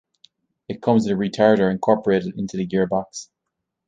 It comes with a retarder incorporated into the gearbox.